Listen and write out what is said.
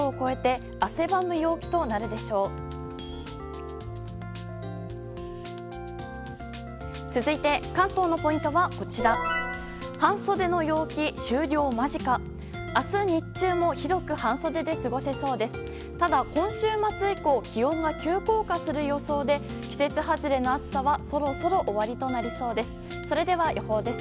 ただ、今週末以降気温が急降下する予想で季節外れの暑さはそろそろ終わりとなりそうです。